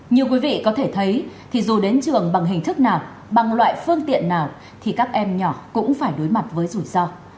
nhiều quý vị có thể thấy thì dù đến trường bằng hình thức nào bằng loại phương tiện nào thì các em nhỏ cũng phải đối mặt với rủi ro